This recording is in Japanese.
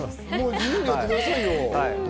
自由にやってくださいよ。